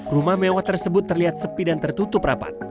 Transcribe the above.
rumah mewah tersebut terlihat sepi dan tertutup rapat